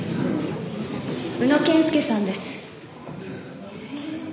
宇野健介さんです。